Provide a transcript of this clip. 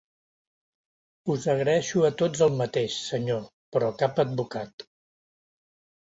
Us agraeixo a tots el mateix, senyor, però cap advocat!